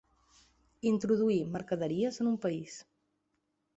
Introduir mercaderies en un país.